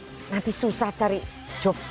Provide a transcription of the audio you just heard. iya tapi nanti suci aja aku bujuk bujuk dia